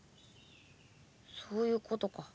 そういうことか。